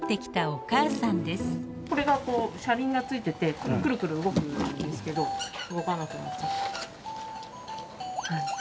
これがこう車輪が付いててクルクル動くんですけど動かなくなっちゃって。